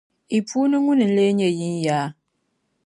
Yi puuni ŋuni n-leei nyɛ yinyaa.